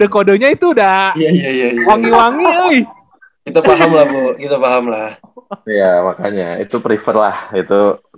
kalau gue lihat lihat